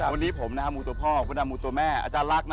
วันนี้ผมมูตัวพ่อมดดำมูตัวแม่อาจารย์รักนะ